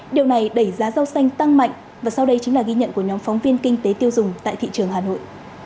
điều này đẩy giá rau xanh tăng mạnh và sau đây chính là ghi nhận của nhóm phóng viên kinh tế tiêu dùng tại thị trường hà nội